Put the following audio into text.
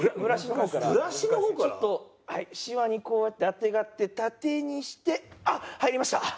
ちょっとはいしわにこうやってあてがって縦にしてあっ入りました。